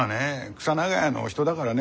クサ長屋のお人だからね